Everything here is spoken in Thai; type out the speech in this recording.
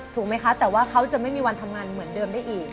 ถูกไหมคะแต่ว่าเขาจะไม่มีวันทำงานเหมือนเดิมได้อีก